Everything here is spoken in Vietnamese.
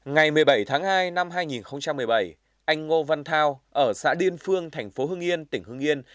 ngày một mươi bảy tháng hai năm hai nghìn một mươi bảy anh ngô văn thao ở xã điên phương thành phố hưng yên tỉnh hưng yên